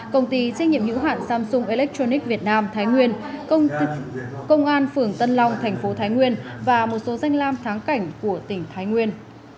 công ty trách nhiệm hữu hạn samsung electronic việt nam thái nguyên công an phường tân long thành phố thái nguyên và một số danh lam thắng cảnh của tỉnh thái nguyên